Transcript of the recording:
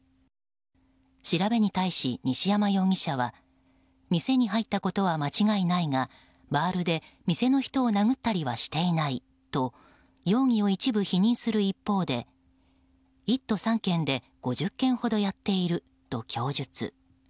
調べに対し、西山容疑者は店に入ったことは間違いないがバールで店の人を殴ったりはしていないと容疑を一部否認する一方で１都３県で５０件ほどやっていると供述。